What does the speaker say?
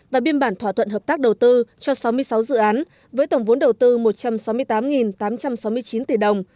và biên bản thỏa thuận hợp tác đầu tư cho sáu mươi sáu dự án với tổng vốn đầu tư một trăm sáu mươi tám tám trăm sáu mươi chín tỷ đồng